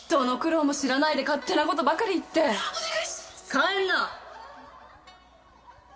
帰んな！